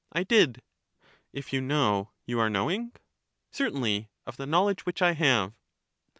I did. If you know, you are knowing. Certainly, of the knowledge which I have.